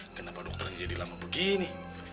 kenapa dokter jadi lama begini